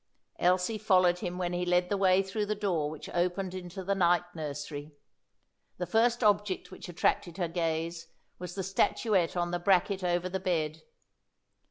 Elsie followed him when he led the way through the door which opened into the night nursery. The first object which attracted her gaze was the statuette on the bracket over the bed.